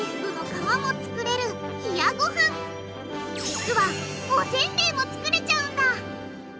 実はおせんべいも作れちゃうんだ！